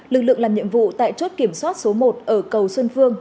lực lượng làm nhiệm vụ tại chốt kiểm soát số một ở cầu xuân phương